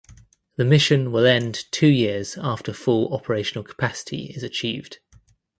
The mission will end two years after full operational capacity is achieved.